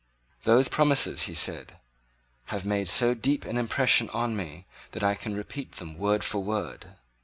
"Those promises," he said, "have made so deep an impression on me that I can repeat them word for word."